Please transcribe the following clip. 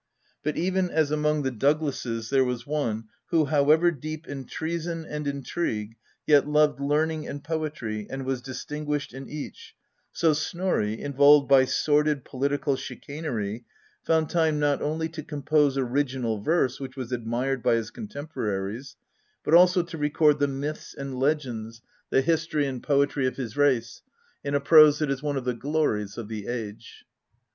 But even as among the Douglases there was one who, how ever deep in treason and intrigue, yet loved learning and poetry, and was distinguished in each, so Snorri, involved by sordid political chicanery, found time not only to com pose original verse which was admired by his contempo raries, but also to record the myths and legends, the history INTRODUCTION xi and poetry, of his race, in a prose that is one of the glories of the age.